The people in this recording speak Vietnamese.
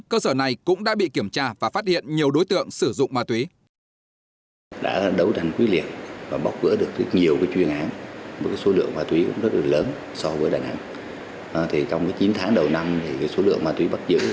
cơ sở này cũng đã bị kiểm tra và phát hiện nhiều đối tượng sử dụng ma túy